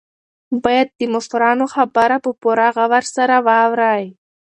باید د مشرانو خبره په پوره غور سره واورئ.